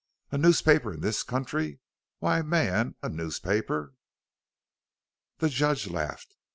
"A newspaper in this country? Why, man, a newspaper " The judge laughed.